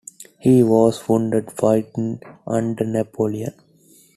He was wounded fighting under Napoleon.